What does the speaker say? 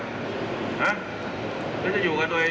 ก็จะอยู่กันโดยอะไรละ